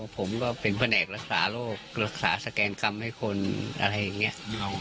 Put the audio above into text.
ผมก็เป็นแผนกรักษาโรครักษาสแกนกรรมให้คนอะไรอย่างนี้